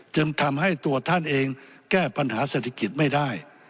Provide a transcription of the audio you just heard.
จึงทำให้ตัวท่านเองแก้ปัญหาเศรษฐกิจไม่ได้